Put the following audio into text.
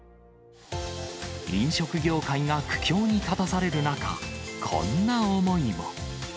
飲食業界が苦境に立たされる中、こんな思いも。